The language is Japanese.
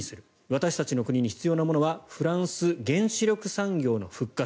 私たちの国に必要なものはフランス原子力産業の復活